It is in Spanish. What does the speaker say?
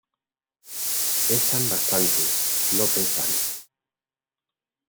pesan bastante. no pesan.